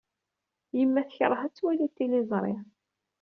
Yemma tekṛeh ad twali tiliẓri.